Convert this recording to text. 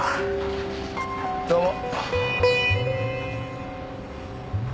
どうも。